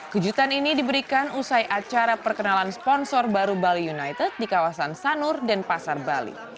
kejutan ini diberikan usai acara perkenalan sponsor baru bali united di kawasan sanur denpasar bali